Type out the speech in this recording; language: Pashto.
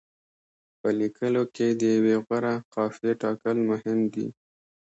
په لیکلو کې د یوې غوره قافیې ټاکل مهم دي.